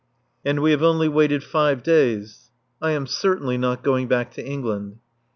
And we have only waited five days. I am certainly not going back to England.